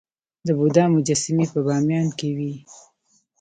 د بودا مجسمې په بامیان کې وې